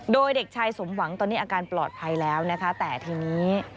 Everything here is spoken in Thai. โดยเด็กชายสมหวังตอนนี้อาการปลอดภัยแล้วนะคะแต่ทีนี้